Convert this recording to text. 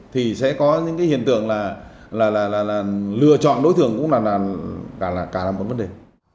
thì sẽ có những cái hiện tượng là lựa chọn đối tượng cũng là cả là một vấn đề